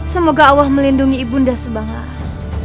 semoga allah melindungi ibu nda subangara